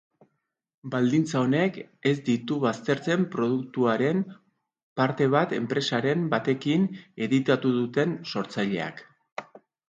Baldintza honek ez ditu baztertzen produktuaren parte bat enpresaren batekin editatu duten sortzaileak.